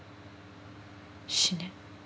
「死ね」。